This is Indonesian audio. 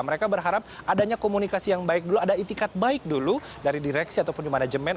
mereka berharap adanya komunikasi yang baik dulu ada itikat baik dulu dari direksi ataupun di manajemen